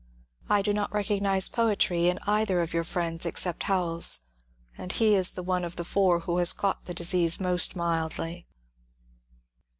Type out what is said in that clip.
I do not recognize poetry in either of your friends except Howells, — and he is the one of the four who has caught the disease most mildly.